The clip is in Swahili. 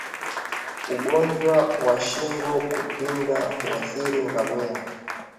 Ugonjwa wa shingo kupinda huathiri ngamia